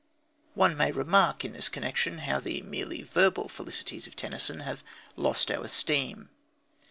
One may remark in this connection how the merely verbal felicities of Tennyson have lost our esteem.